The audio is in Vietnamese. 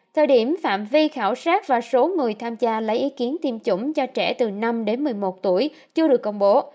thời điểm phạm vi khảo sát và số người tham gia lấy ý kiến tiêm chủng cho trẻ từ năm đến một mươi một tuổi chưa được công bố